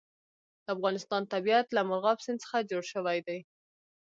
د افغانستان طبیعت له مورغاب سیند څخه جوړ شوی دی.